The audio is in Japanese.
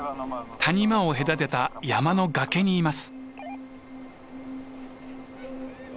谷間を隔てた山の崖にいます。